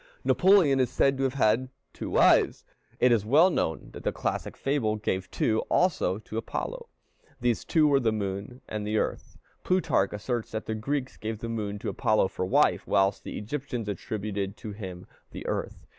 Napoleon is said to have had two wives. It is well known that the classic fable gave two also to Apollo. These two were the moon and the earth. Plutarch asserts that the Greeks gave the moon to Apollo for wife, whilst the Egyptians attributed to him the earth.